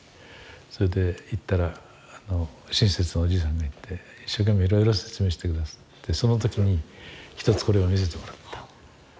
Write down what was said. それで行ったら親切なおじいさんがいて一生懸命いろいろ説明して下さってその時に一つこれを見せてもらった。